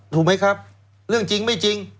ถูกไหมครับเรื่องจริงไม่จริง